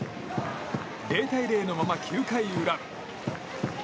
０対０のまま、９回裏。